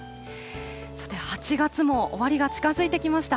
さて、８月も終わりが近づいてきました。